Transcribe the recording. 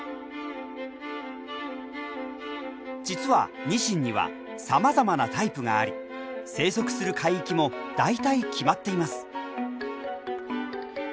実はニシンにはさまざまなタイプがあり生息する海域も大体決まっています。